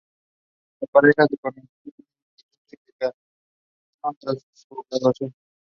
Beaman Construction Company of Raleigh.